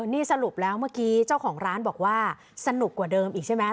นี่สรุปแล้วเมื่อกี้เจ้าของร้านบอกว่าสนุกกว่าเดิมอีกใช่ไหม